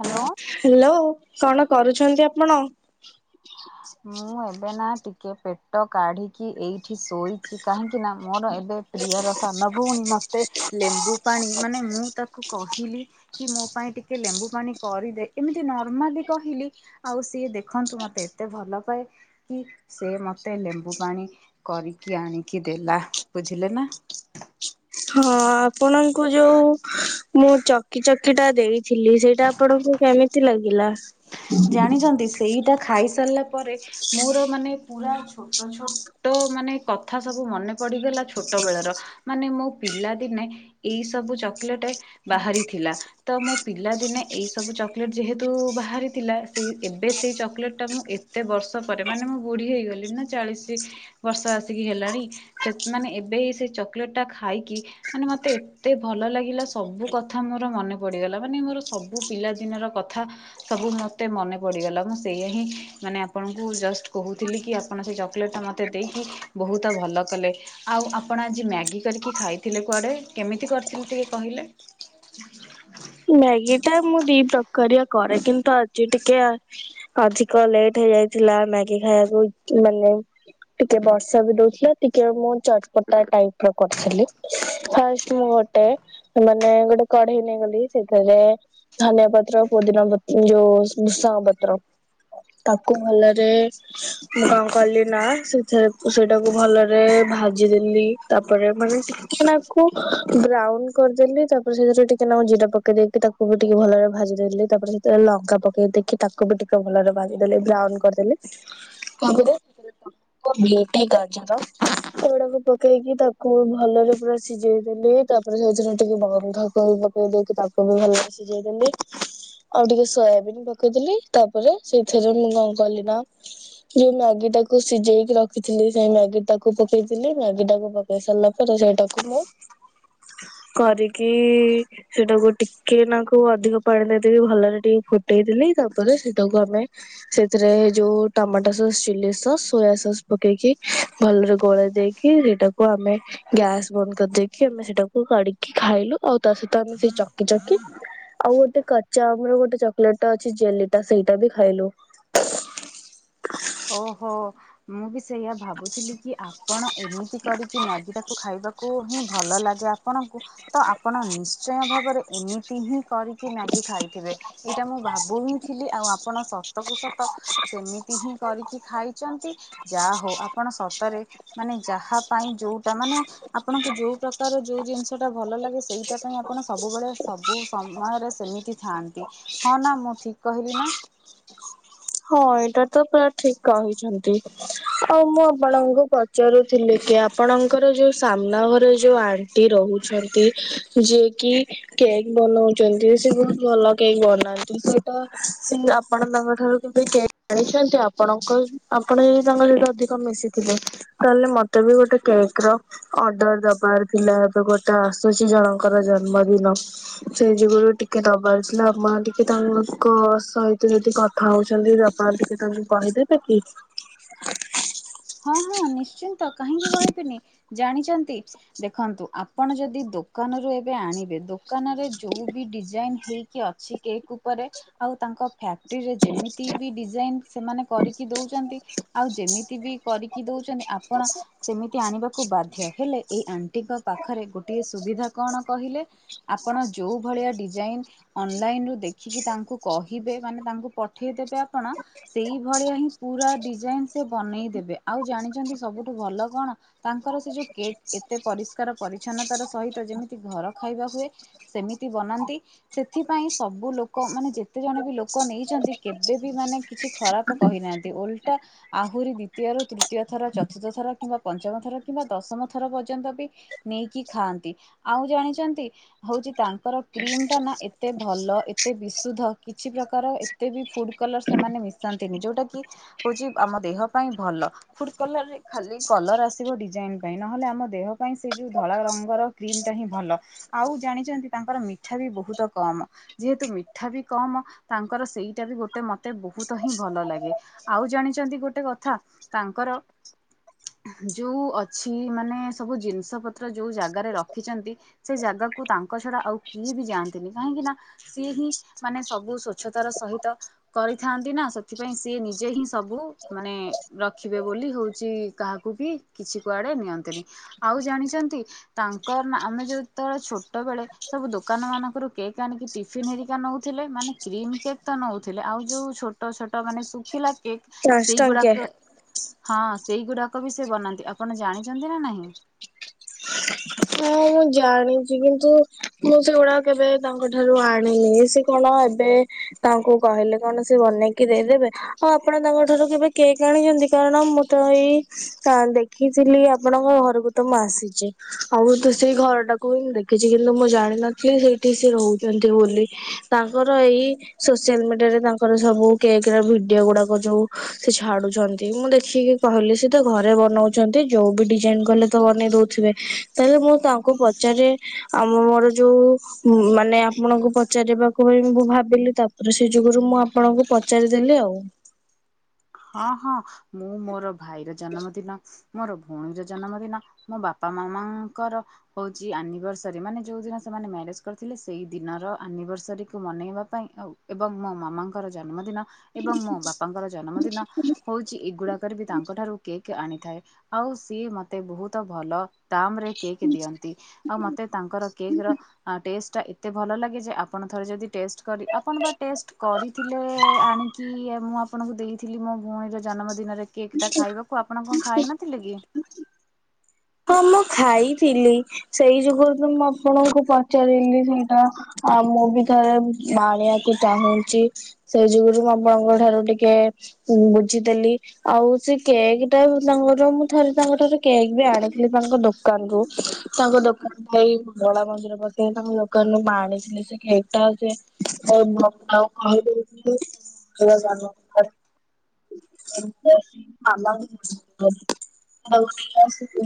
Hello hello କଣ କରୁଛନ୍ତି ଆପଣ? ମୁଁ ଏବେ ନା ଟିକେ ପେଟ କାଢିକି ଏଇ ଏଠି ଶୋଇଛି କାହିଁକି ନା ମୋର ଏବେ ପ୍ରିୟର ସାନ ଭଉଣୀ ମତେ ଲେମ୍ବୁ ପାଣି ମାନେ ମୁଁ ତାକୁ କହିଲି କି ମୋ ପାଇଁ ଟି କି ଲେମ୍ବୁ ପାଣି କରିଦେ ଏମିତି ନର୍ମାଲି କହିଲି ଆଉ ସିଏ ଦେଖନ୍ତୁ ମତେ ଏତେ ଭଲ ପାଏ କି ସେ ମତେ ଲେମ୍ବୁ ପାଣି କରିକି ଆଣିକି ଦେଲା। ବୁଝିଲେ ନା। ହଁ ଆପଣଙ୍କୁ ଯୋଉ ମୁଁ ଚକି ଚକି ଟା ଦେଇଥିଲି, ସେଇଟା ଆପଣଙ୍କୁ କେମିତି ଲାଗିଲା। ଜାଣିଚନ୍ତି, ସେଇଟା ଖାଇ ସାରିଲା ପରେ ମୋର ମାନେ ପୁରା ଛୋଟ ଛୋଟ ମାନେ କଥା ସବୁ ମନେ ପଡିଗଲା। ଛୋଟ ବେଳର। ମାନେ ମୋ ପିଲା ଦିନେ ଏଇ ସବୁ ଚକଲେଟେ ବାହାରିଥିଲା। ତ ମୋ ପିଲାଦିନେ ଏଇ ସବୁ ଚକଲେଟ୍ ଯେହେତୁ ବାହାରି ଥିଲା, ସେଇ ଏବେ ସେଇ ଚକଲେଟ୍ ଟା ମୁଁ ଏତେ ବର୍ଷ ପରେ, ମାନେ ମୁଁ ବୁଢୀ ହେଇଗଲିଣି ନା ଚାଳିଶି ବର୍ଷ ଆସିକି ହେଲାଣି, ସେ ମାନେ ଏବେ ସେ ଚକଲେଟ୍ ଟା ଖାଇକି ମାନେ ମତେ ଏତେ ଭଲ ଭଲ ଲାଗିଲା। ସବୁ କଥା ମୋର ମନେ ପଡ଼ିଗଲା। ମାନେ ମୋର ସବୁ ପିଲାଦିନର କଥା ସବୁ ମ ମୋତେ ମନେ ପଡ଼ିଗଲା। ମୁଁ ସେଇଆ ହିଁ ମାନେ ଆପଣଙ୍କୁ ଜଷ୍ଟ କହୁଥିଲି କି, ଆପଣ ସେ ଚକଲେଟ୍ ଟା ମୋତେ ଦେଇ ବହୁତ ଭଲ କଲେ। ଆଉ ଆପଣ ଆଜି ମ୍ୟାଗି କରିକି ଖାଇଥିଲେ କୁଆଡେ କେମିତି କରିଥିଲେ। ଟିକେ କହିଲେ। ହ [inaudible] ମ୍ୟାଗି ଟା ମୁଁ ଦି ପ୍ରକାରିଆ କରେ। କିନ୍ତୁ ଆଜି ଟିକେ ଅ ଅଧିକ ଲେଟ୍ ହେଇ ଯାଇଥିଲା ମ୍ୟାଗି ଖାଇବାକୁ ମାନେ ଟିକେ ବର୍ଷା ବି ଦଉଥିଲା। ଟିକେ ମୁଁ ଚଟପଟା ଟାଇପ ର କରିଥିଲି ଫାଷ୍ଟ ମୁ ଗୋଟାଏ ଭଲ ବଲ ଗୋଟେ କଢେଇ ନେଇଗଲି। ସେଥିରେ ଧନିଆ ପତ୍ର ପୋଦିନା ପତ୍ ଯୋଉ ଭୃଷାଙ୍ଗ ପତ୍ର। ତାକୁ ମୁଁ ଯେ ମୁଁ କଣ କଲିି ନା ସେଥିରେ ସେଇଟାକୁ ଭଲରେ। ଭାଜିଦେଲି, ତାପରେ ମାନେ ଟିକେନାକୁ ବ୍ରାଉନ କରିଦେଲି ତାପରେ ସେଥିରେ ଟିକେ ହଁ ଯୋଉ ଜଗ ପକେଇ ଦେଇକି ତାକୁ ବି ଟିକେ ଭଲରେ ଭାଜି ଦେଲି। ତାପରେ ସେଥିରେ ଲଙ୍କା ପକେଇ ଦେଇଖି ତାକୁ ବି ଟିକେ ଭଲରେ ଭାଜି ଦେଲି। ବ୍ରା ଅନ୍ କରିଦେଲି ତା ଘରେ ବିଟ୍ ଗାଜର [unintelligible] ପକେଇକି ତାକୁ ଭଲରେ ପୁରା ସିଜେଇ ଦେଲି। ତାପରେ ସେଇଥିରେ ଟିକେ ବ ବନ୍ଧା କୋବି ପକେଇ ଦେଇକି ତା କୋବି ଭଲଭାବେ ସିଜେଇ ଦେଲି। ଆଉ ଟିକେ ସୋୟାବିନ୍ ପକେଇଦେଲି। ତାପରେ ସେଇଥିରେ ମୁଁ କଣ କଲି ନା ଯୋଉ ମ୍ୟାଗି ତାକୁ ସିଜେଇକି ରଖିଥିଲି ସେଇ ମ୍ୟାଗି ଟାକୁ ପକେଇଥିଲି। ମ୍ୟାଗି ଟାକୁ ପକେଇ ସାରିଲା ପରେ ସେଇଟାକୁ ମୁଁ କରିକି ସେଇଟା ଗୋଟ୍ ଟିକେ ନାଁକୁ ଅଧିକ ପାଣି ଦେଇଦେଇକି ଭଲରେ ଟିକେ ଫୁଟେଇଦେଲି। ତାପରେ ସେଇଟାକୁ ଆମେ ସେଇଥିରେ ଯେ ଏ ଯୋଉ tomato sauce chilli sauce soya sauce ପକେଇକି ଭଲରେ ଗୋଳେଇ ଦେଇକି ରେ ସେଟାକୁ ଆମେ ଗ୍ୟାସ ବନ୍ଦ କରିଦେଇକି ଆମେ ସେଟାକୁ କାଢିକି ଖାଇଲୁ। ଆଉ ତା ସହିତ ଆମେ ସେଇ ଚକି ଚକି ଆଉ ଗୋଟେ କଚା ଆମର ଗୋଟେ ଚକଲେଟ ଟେ ଅଛି ଜେଲି ଟା ସେଇଟା ବି ଖାଇଲୁ। ଓହୋ ମୁଁ ବି ସେଇଆ ଭାବୁଥିଲି କି ଆପଣ ଏମିତି କରିକି ମ୍ୟାଗି ଟାକୁ ଖାଇବାକୁ ହିଁ ଭଲ ଲାଗେ ଆପଣଙ୍କୁ ତ ଆପଣ ନିଶ୍ଚୟ ଭାବରେ ଏମିତି ହିଁ କରିକି ମ୍ୟାଗି ଖାଇଥିବେ? ଏଇଟା ମୁଁ ଭାବୁ ହିଁ ଥିଲି ଆଉ ଆପଣ ସତ କୁ ସତ ସେମିତି ହିଁ କରିକି ଖାଇଚନ୍ତି। ଯା ହଉ ଆପଣ ସତରେ ମାନେ ଯାହା ପାଇଁ ଯୋଉଟା ମାନେ ଆପଣଙ୍କୁ ଯୋଉ ପ୍ରକାର ଯୋଉ ଜିନିଷ ଟା ଭଲ ଲାଗେ ସେଇଟା ପାଇଁ ଆପଣ ସବୁବେଳେ ସବୁ ସମୟରେ ଏମିତି ଥାନ୍ତି ହଁ, ନା ମୁଁ ଠିକ୍ କହିଲି ନା? ହଁ, ଏଇଟା ତ ପୁରା ଠିକ କହିଛନ୍ତି। ଆଉ ମୁଁ ଆପଣଙ୍କୁ ପଚାରୁଥିଲି? କି ଆପଣଙ୍କର ଯୋଉ ସାମ୍ନା ଘରେ ଯୋଉ ଆଣ୍ଟି ରହୁଛନ୍ତି ଯିଏ କି କେକ୍ ବନଉଚନ୍ତି। ସେ ବହୁତ ଭଲ କେକ୍ ବନାନ୍ତି। ସେଇଟା ସିଏ ଆପଣ ତାଙ୍କ ଠାରୁ କେକ୍ ଜାଣିଛନ୍ତି ଆପଣଙ୍କ ଆପଣ ହିଁ ତାଙ୍କ ସହିତ ଅଧିକ ମିଶିଥିବେ ତାହେଲେ ମତେ ମୁଁ ଗୋଟେ କେକ୍ ର ଅର୍ଡର ଦବାର ଥିଲା। ଏବେ ଗୋଟେ ଆସୁଛି ଜଣଙ୍କର ଜନ୍ମଦିନ। ସେ ଯୋଗରୁ ଟିକେ ଦବାରଥିଲା ଆ ମା ଟିକେ ତାଙ୍କକ ସହିତ ଯଦି କଥା ହଉ ଛନ୍ତି ଯୋଉ ଆପଣ ଟିକେ ତାଙ୍କୁ କହିଦେବେ କି? ହଁ, ହଁ ନିଶ୍ଚିନ୍ତ କାହିଁକି କହିବିନି ଜାଣିଚନ୍ତି ଦେଖନ୍ତୁ ଆପ୍ ଆପଣ ଯଦି ଦୋକାନରୁ ଏବେ ଆଣିବେ ଦୋକାନରେ ଯୋଉ ବି ଡିଜାଇନ ହେଇକି ଅଛି କେକ୍ ଉପରେ ରେ ଆଉ ତାଙ୍କ ଫ୍ୟା କ୍ଟିରେ ଯେମିତି ବି ଡିଜାଇନ ସେମାନେ କରିକି ଦଉଚନ୍ତି ଆଉ ଯେମିତି ବି କରିକି ଦଉଚନ୍ତି ଆପଣ ସେମିତି ଆଣିବାକୁ ବାଧ୍ୟ, ହେଲେ ଏଇ ଆଣ୍ଟିଙ୍କ ପାଖରେ ଗୋଟିଏ ସୁବିଧା କଣ କହି ହିଲେ ଆପଣ ଯୋଉ ଭଳିଆ ଡିଜାଇନ୍ ଅନଲାଇନରୁ ଦେଖିକି ତାଙ୍କୁ କହିବେ ମାନେ ତାଙ୍କୁ ପଠେଇଦେବେ ଆପଣ ସେଇଭଳିଆ ହିଁ ପୁ ପୁରା ଡିଜାଇନ ସେ ବନେଇ ଦେବେ। ଆଉ ଜାଣିଚନ୍ତି ସବୁଠୁ ଭଲ କଣ ତାଙ୍କର ସେ ଯୋଉ କେକ୍ ଏତେ ପରିଷ୍କାର ପରିଛନ୍ନତା ର ସହିତ ଯେମିତି ଘର ଖାଇବା ହୁଏ ସେମିତି ବନାନ୍ତି ସେଥିପାଇଁ ସବୁ ଲୋ ଲୋକ ମାନେ ଯେତେ ଜଣେ ବି ଲୋକ ନେଇଚନ୍ତି କେବେ ବି ମାନେ କିଛି ଖରାପ କହିନାହାନ୍ତି। ଓଲ- ଟା ଆହୁରି ଦ୍ୱିତୀୟରୁ ତୃତୀୟ ଥର, ଚତୁର୍ଥ ଥର କିମ୍ବା ପଞ୍ଚମ ଥର କିମ୍ବା ଦଶମ ଥର ପର୍ଯ୍ୟନ୍ତ ବି ନେଇକି ଖାଆନ୍ତି। ଆଉ ଜାଣିଚନ୍ତି ହଉଚି ତାଙ୍କର କ୍ରିମ ଟା ନା ଏତେ ଭଲ ଏତେ ବିଶୁଦ୍ଧ କିଛି ପ୍ରକର ଏତେ ବି ଫୁଡ୍ କଲର ସେମାନେ ମିଶାନ୍ତିନି ଯୋଉଟା କି ହଉଚି ଆମ ଦେହ ପାଇଁ ଭଲ। ଫୁଡ୍ କଲରରେ ଖାଲି କଲର ଆସିବ ଡିଜାଇନ ପାଇଁ ନହେଲେ ଆମ ଦେହ ପାଇଁ ସେ ଯୋଉ ଧଳା ରଙ୍ଗର କ୍ରିମଟା ସେଇଟା ହିଁ ଭଲ ଆଉ ଜାଣିଚନ୍ତି ତାଙ୍କର ମିଠା ବି ବହୁତ କମ। ଯେହେତୁ ମିଠା ବି କମ ତାଙ୍କର ସେଇଟା ବି ଗୋଟେ ମତେ ବହୁତ ହିଁ ଭଲ ଲାଗେ ଆଉ ଜାଣିଚନ୍ତି ଗୋଟେ କଥା? ତାଙ୍କର ଯୋଉ ଅଛି ମାନେ ସବୁ ଜିନିଷ ପତ୍ର ଯୋଉ ଜାଗାରେ ରଖିଚନ୍ତି ସେଇ ଜାଗା ତାକୁ ତାଙ୍କ ଛଡା ଆଉ କିଏ ବି ଯାଆନ୍ତିନି କାହିଁକି ନା ସିଏ ହିଁ ମାନେ ସବୁ ସ୍ୱଚ୍ଛତାର ସହିତ କରିଥାନ୍ତି ନା, ସେଥିପାଇଁ ସିଏ ନିଜେ ହିଁ ସବୁ ମାନେ ରଖିବେ ବୋଲି ହଉଛଚି କାହାକୁ ବି କିଛି କୁଆଡେ ନିଅନ୍ତିନି ଆଉ ଜାଣିଚନ୍ତି ତା ଙ୍କର ନା ଆମେ ଯେତେବେଳେ ଛୋଟ ବେଳେ ସବୁ ଦୋକାନ ମାନଙ୍କରୁ କେକ୍ ଆଣିକି ଟିଫିିନ ହେରିକା ନଉଥିଲେ ମାନେ କ୍ରିମ କେକ୍ ତ ନଉଥିଲେ ଆଉ ଯୋଉ ଛୋଟ ଛୋଟ ମାନେ ଶୁଖିଲା କେକ୍ ଚାରିଶ ଟଙ୍କିଆ ସେଇଗୁଡାକ ହଁ, ସେଇଗୁଡାକ ବି ସେ ବନାନ୍ତି ଆପଣ ଜାଣିଚନ୍ତି ନା ନାହିଁ? ଓ। ହଁ, ମୁଁ ଜାଣିଚି କିନ୍ତୁ ମୁଁ ସେଗୁଡା କେବେ ତାଙ୍କ ଠାରୁ ଆଣିନି ସେ କଣ ଏବେ ତାଙ୍କୁ କହିଲେ କଣ ସେ ବନେଇକି ଦେଇଦେବେ, ଆଉ ଆପଣ ତାଙ୍କ ଠାରୁ କେବେ କେକ୍ ଆଣିଛନ୍ତି? କାରଣ ମୁଁ ତ ଏଇ କା ଦେଖିଥିଲି ଆପଣଙ୍କ ଘରକୁ ତ ମୁଁ ଆସିଚି। ଆଉ ସେଇ ଘରଟାକୁ ବି ମୁଁ ଦେଖିଚି କିନ୍ତୁ ମୁଁ ଜାଣିିନଥିଲି ସେଇଠି ସେ ରହୁଚନ୍ତି ବୋଲି ତାଙ୍କର ଏଇ ଇ ସୋସିଆଲ ମିଡିଆରେ ତାଙ୍କର ସବୁ କେକ୍ ରା ଭିଡିଓ ଗୁଡାକ ଯୋଉ ସେ ଛାଡୁଚନ୍ତି ମୁଁ ଦେ ଦେଖିକି କହିଲି ସେ ତ ଘରେ ବନଉଚନ୍ତି ଯୋଉ ବି ଡିଜାଇନ କଲେ ତ ବନେଇ ଦଉଥିବେ। ତେବେ ମୁଁ ତାଙ୍କୁ ପଚାରେ ଆମର ଯୋଉ ମାନେ ଆପଣଙ୍କୁ ପଚାରିବାକୁ ବି ମୁଁ ଭାବ ଭାବିଲି ତାପରେ ସେ ଯୁଗରୁ ମୁଁ ଆପଣଙ୍କୁ ପଚାରିଦେଲି ଆଉ। ଓଁ ହଁ ମୁଁ ମୋର ଭାଇର ଜନ୍ମଦିନ ମୋର ଭଉଣୀର ଜନ୍ମଦିନ, ମୋ ବାପା ମାମାଙ୍କର ହଉଚି ଆନିଭର୍ସରୀ ମାନେ ଯୋଉ ଦିନ ମାନେ ମ୍ୟାରେଜ କରିଥିଲେ ସେଇ ଦିନର ଆନିଭର୍ସରୀକୁ ମନେଇବା ପାଇଁ ଆ ଏବଂ ମୋ ମାମାଙ୍କର ଜନ୍ମଦିନ ଏବଂ ମୋ ବାପାଙ୍କର ଜନ୍ମଦିନ ହଉଚି ଏଗୁଡାକ କରିବି ତାଙ୍କ ଠାରୁ କେକ୍ ଆଣିଥାଏ ଆଉ ସିଏ ମତେ ବହୁତ ଭଲ ଦାମ ରେ କେକ୍ ଦିଅନ୍ତି ଆଉ ମତେ ତାଙ୍କର କେକ୍ ର ଆ ଟେଷ୍ଟ ଟା ଏତେ ଭଲ ଲାଗେ ଯେ ଆପଣ ଥରେ ଯଦି ଟେଷ୍ଟ କରି ଆପଣ ବା ଟେଷ୍ଟ କରିଥିଲେ ଆଣିକି? ମୁଁ ଆପଣଙ୍କୁ ଦେଇ ଥିଲି ମୋ ଭଉଣୀର ଜନ୍ମ ଦିନରେ କେକ୍ ଟା ଖାଇବାକୁ ଆପଣ କଣ ଖାଇ ନଥିଲେ କି? ହଁ ମୁ ଖାଇଥିଲି ସେଇ ଯୁଗରୁ ତ ମୁଁ ଆପଣଙ୍କୁ ପଚାରିଲି ସେଇଟା ଆ ମ ମୁଁ ବି ଥରେ ବାଣିବାକୁ ଚାହୁଁଚି ସେ ଯୁଗରୁ ମୁଁ ଆପଣଙ୍କ ଠାରୁ ଟିକେ ଉ ବୁଝିଦେଲି ଆଉ ସେ କେକ୍ ଟା ତାଙ୍କର ମୁଁ ଥରେ ତାଙ୍କ ଠାରୁ କେକ୍ ବି ଆଣି ଥିଲି ତାଙ୍କ ଦୋକାନରୁୁ ତାଙ୍କ ଦୋକାନ ଭାଇ ଧଳା ମନ୍ଦିର ବସେଇ ତାଙ୍କ ଦୋକାନରୁୁ ପାଣି ଏଟା ସେ କେକ ଟା ସେ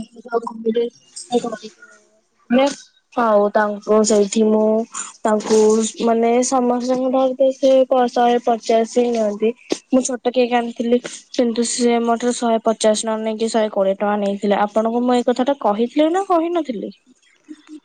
ଏ [unintelligible] [unintelligible] [unintelligible] ମଳେ ହଉ ତାଙ୍କୁ ସେଇଠି ମୁଁ ତାଙ୍କୁ ମାନେ ସମସ୍ତଙ୍କୁ ଧର ସେ ପ ଶହେ ପଚାଶ ହେଇ ନିଅନ୍ତି ମୁଁ ଛୋଟ କେକ୍ ଆଣିଥିଲି କିନ୍ତୁ ସେ ମୋଠୁ ଶହେ ପଚାଶ ନ ନେଇକି ଶହେ କୋଡିଏ ଟଙ୍କା ନେଇଥିଲେ ଆପଣଙ୍କୁ ମୁଁ ଏଇ କଥା ଟା କହିଥିଲି ନା କହିନଥିଲି?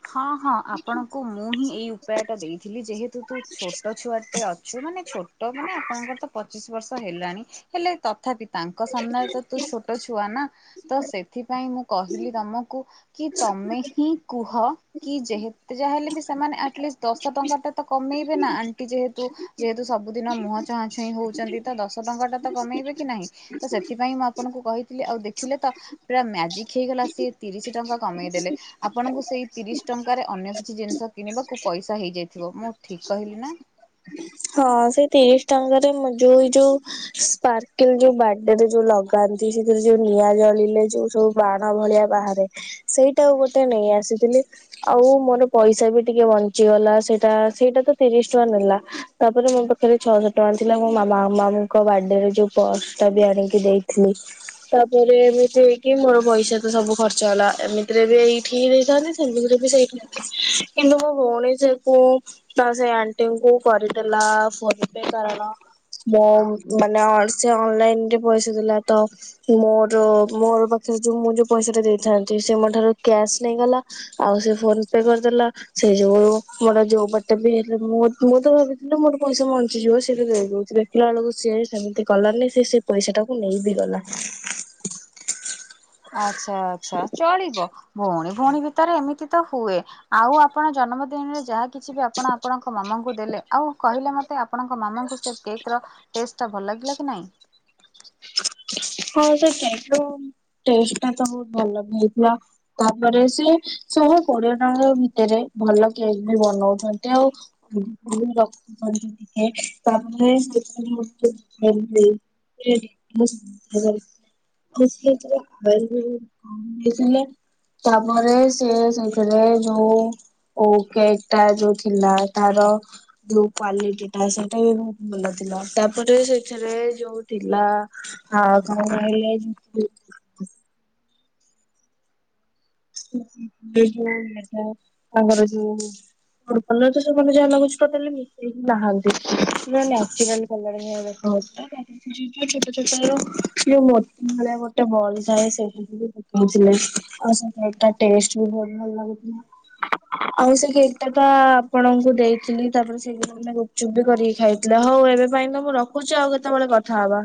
ହଁ ହଁ ଆପଣଙ୍କୁ ମୁଁ ହିଁ ଏଇ ଉପାୟ ଟା ଦେଇଥିଲି ଯେହେତୁ କିୁ ତୁ ଛୋଟ ଛୁଆଟେ ଅଛୁ ମାନେ ଛୋଟ ମାନେ ଆପଣଙ୍କର ତ ପଚିଶ ବର୍ଷ ହେଲାଣି ହେଲେ ତଥାପି ତାଙ୍କ ସାମ୍ନାରେ ତ ତୁ ଛୋଟ ଛୁଆ ନା? ତ ସେଥିପାଇଁ ମୁଁ କହିଲି ତମକୁ କି ତମେ ହିଁ କୁହ କି ଯେହେତେ ଯାହା ହେଲେ ବି ସେମାନେ ଆଟଲିଷ୍ଟ ଦଶ ଟଙ୍କା ଟା ତ କମେଇବେ ନା ଆଣ୍ଟି ଯେହେତୁ ଯେହେତୁ ସବୁ ଦିନ ମୁହ ଚାଁହା ଚାହିଁ ହଉଚନ୍ତି ତ ଦଶ ଟଙ୍କା ଟା ତ କମେଇବେ କି ନାହିଁ ତ ସେଥିପାଇଁ ମୁଁ ଆପଣଙ୍କୁ କହି ଆଉ ଦେଖିଲେ ତ ପୁରା ମାଜିକ ହେଇଗଲା ସିଏ ତିରିଶ ଟଙ୍କା କମେଇଦେଲେ ଆପଣଙ୍କୁ ସେଇ ତିରିଶ ଟଙ୍କାରେ ଅନ୍ୟ କିଛି ଜିନିଷ କିଣିବାକୁ ପଇସା ହେଇଯାଇଥିବ ମୁଁ ଠିକ କହିଲି ନା? ହଁ ସେଇ ତିରିଶ ଟଙ୍କାରେ ମୁ ଯୋଉ ଇ ଯୋଉ ସ୍ପାର୍କଲ ଯୋଉ ବାଡରେ ଯୋଉ ଲଗା ତି ସେଥିରେ ଯୋଉ ନିଆଁ ଜଳିଲେ ଯୋଉ ସବୁ ବାଣ ଭଳିଆ ବାହାରେ ସେଇଟା ଆଉ ଗୋଟେ ନେଇ ଆସିଥିଲେ ଲେ, ଆଉ ମୋର ପଇସା ବି ଟିକେ ବଞ୍ଚିଗଲା ସେଇଟା ସେଇଟା ତ ତିରିଶ ଟଙ୍କା ନେଲା। ତାପରେ ମୋ ପାଖରେ ଛଅଶହ ଟଙ୍କା ଥିଲା ମୋ ମ ମାମାଙ୍କ ବାର୍ଥଡେରେ ଯୋଉ ପର୍ସ ଟା ବି ଆଣିକି ଦେଇଥିଲି। ତାପରେ ଏମିତି ହେଇକି ମୋର ପଇସା ତ ସବୁ ଖର୍ଚ୍ଚ ହେଲା ଏମିତିରେ ବି ଏଇଠି ଦେଇଥାନ୍ତି। ସେ ବି ସେଇ କିନ୍ତୁ ମୋ ଭଉଣୀ ସେ କୁ ନା ସେ ଆଣ୍ଟି କ କରି ଲା ଫନପେ କାରଣ ମୋ ମାନେ ସେ ଅନଲାଇନ ରେ ପଇସା ଦେଲା ତ ମୋର ମୋର ପାଖରେ ସେ ଯଉ ମୁଁ ଯୋଉ ପଇସା ଟା ଦେଇଥାନ୍ତି ସେ ମୋ ଠାରୁ କ୍ୟାସ୍ ନେଇଗଲା ଆଉ ସେ ଫୋନ ପେ କରିଦେଲା। ସେ ଯୋଉ ମୋର ଯୋଉ ବାଟେ ବି ହେଲେ ମୁଁ ମୁଁ ତ ଭାବି ସେନ୍ତୁ ମୋର ପଇସା ବଞ୍ଚିଯିବ ସେଇଟା ଦେଇ ଦଉଥିବେ, ଦେଖିଲା ବେଳକୁ ସିଏ ସେମିତି କଲାନି ସେ ସେ ପଇସାଟାକୁ ନେଇି ବି ହେଲା। ଆଚ୍ଛା ଆଚ୍ଛା ଚଳିବ ଭଉଣୀ। ଭଉଣୀ ଭିତରେ ଏମିତି ତ ହୁଏ ଆଉ ଆପଣ ଜନ୍ମଦିନରେ ଯାହା କିଛି ବି ଆପଣ ଆପଣଙ୍କ ମାମାଙ୍କୁ ଦେଲେ ଆଉ କହିଲେ ମତେ ଆପଣଙ୍କ ମାମାଙ୍କୁ ସେ କେକ ର ଟେଷ୍ଟ ଟା ଭଲ ଲାଗିଲା କି ନାଇଁ? [inaudible] ହଁ ସେ କେକ ର ଟଷ୍ଟ ଟା ତ ବହୁତ ଭଲ ବି ହେଇଥିଲା ତାପରେ ସେ ସ ଆ କୋଡିଏ ଟଙ୍କ ଭିତରେ ଭଲ କେକ୍ ବି ବନଉଚନ୍ତି ଆଉ ରଖୁଛନ୍ତି। ତାପରେ [unintelligible] [unintelligible] ତାପରେ ସେ ସେଥିରେ ଯୋଉ କେକ୍ ଟା ଯୋଉ ଥିଲା ତାର ଯଉ କ୍ଵାଲିଟି ଟା ସେଇଟା ବି ବହୁତ ଭଲ ଥିଲା ତାପରେ ସେଠାରେ ଯୋଉ ଥିଲା ହଁ କଣ କହିଲେ ଯଉ [unintelligible] ତାଙ୍କର ଯୋଉ ଗୋର୍ବଲରେ ତ ସେମାନେ ଯାହା ଲଗଉଚନ୍ତିକ ତା ଟୋଟାଲୀ ମିଶେଇକି ନାହାନ୍ତି, ପୁରା ନେଚୁରାଲ କଲର୍ ଭଳିଆ ହିଁ ଦେଖା ହଉଥିଲା ଯୋଉ ଛୋଟ ଛୋଟ ତାର ଯୋଉ ମୋତି ଭଳିଆ ଗୋଟେ ବଲ ଥାଏ ସେଇଠୀ ଲ ଥିଲେ ଆଉ ସେ କେକ୍ ଟା ଟେଷ୍ଟ ବି ବହୁତ ଭଲ ଲାଗୁଥିଲା। ଆଉ ସେ କେକ୍ ଟା ତ ଆପଣଙ୍କୁ ଦେଇଥିଲି, ତାପରେ ସେଇଦିନ ମାନେ ଗୁପ୍ ଚୁପ୍ ବି କରିକି ଖାଇଥିଲି। ହଉ ଏବେ ପାଇଁ ତ ମୁଁ ରଖୁଚି ଆଉ କେତେବେଳେ କଥା ହବା।